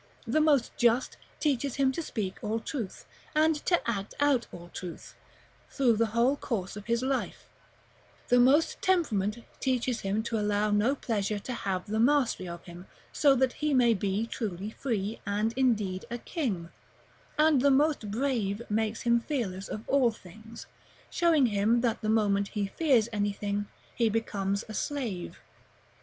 the most Just teaches him to speak all truth, and to act out all truth, through the whole course of his life; the most Temperate teaches him to allow no pleasure to have the mastery of him, so that he may be truly free, and indeed a king; and the most Brave makes him fearless of all things, showing him that the moment he fears anything, he becomes a slave."